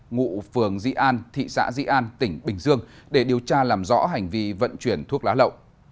ngụ phường di an thị xã di an tỉnh bình dương để điều tra làm rõ hành vi vận chuyển thuốc lá lậu